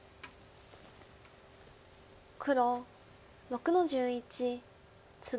黒６の十一ツギ。